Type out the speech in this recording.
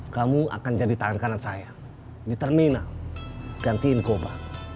kamu akan jadi tangan kanan saya di terminal ganti incoba